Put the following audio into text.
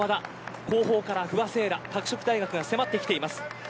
この和田、後方から不破聖衣来拓殖大が迫ってきています。